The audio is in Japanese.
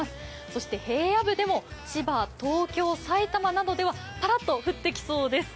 そして平野部でも千葉、東京、埼玉などではパラっと降ってきそうです。